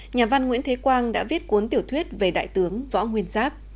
nhà văn nguyễn thế quang đã viết cuốn tiểu thuyết về đại tướng võ nguyên giáp